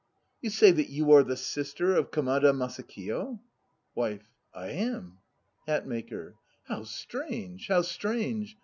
You say that you are the sister of Kamada Masakiyo? WIFE. I am. HATMAKER. How strange, how strange!